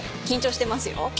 緊張してますよ。